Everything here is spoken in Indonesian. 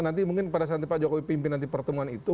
nanti mungkin pada saat pak jokowi pimpin nanti pertemuan itu